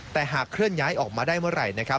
แต่หากเคลื่อนย้ายออกมาได้เมื่อไหร่นะครับ